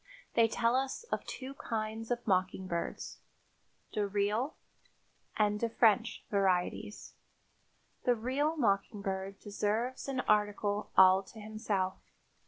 They tell us of two kinds of mockingbirds, "de real" and "de French" varieties. The real mockingbird deserves an article all to himself.